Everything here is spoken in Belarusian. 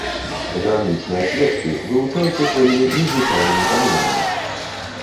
Грамнічныя свечкі вылучаюцца сваімі незвычайнымі памерамі.